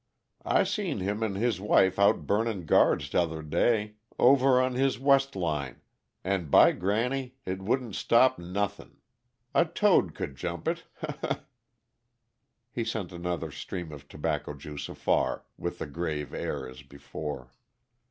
"I seen him an' his wife out burnin' guards t' other day over on his west line and, by granny, it wouldn't stop nothing! A toad could jump it he he!" He sent another stream of tobacco juice afar, with the grave air as before.